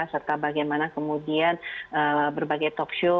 serta bagaimana kemudian berbagai talkshow